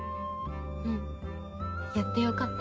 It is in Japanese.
うんやってよかった。